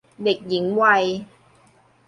เด็กหญิงวัย